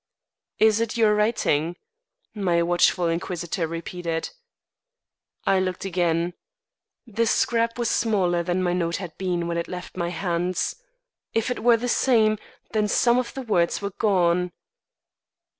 "Is it your writing?" my watchful inquisitor repeated. I looked again. The scrap was smaller than my note had been when it left my hands. If it were the same, then some of the words were gone.